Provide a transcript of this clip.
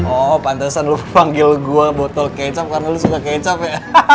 oh pantesan lo panggil gue botol kecap karena lo suka kecap ya